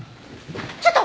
ちょっと！